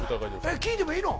えっ聞いてもいいの？